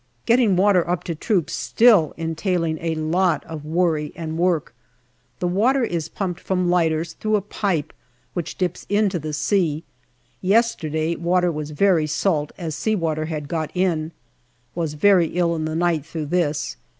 Getting water up to troops still entailing a lot of worry and work. The water is pumped from lighters through a pipe which dips into the sea. Yesterday water was very salt, as sea water had got in. Was very ill in the night through this.